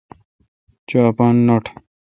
چو اپان نٹ۔